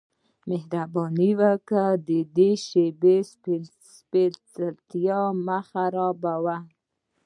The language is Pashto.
مهرباني وکړه د دې شیبې سپیڅلتیا مه خرابوه